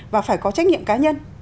và phải có trách nhiệm cá nhân